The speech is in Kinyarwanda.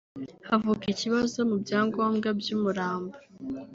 havuka ikibazo mu byangombwa by’umurambo